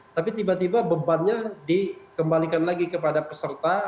tapi tiba tiba bebannya dikembalikan lagi kepada peserta